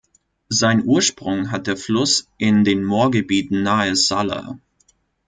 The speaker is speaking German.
Seinen Ursprung hat der Fluss in den Moorgebieten nahe Salla.